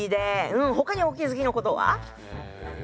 うん他にお気付きのことは？え。